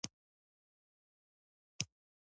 هیواد مې د ناټو نه، له خلکو جوړ دی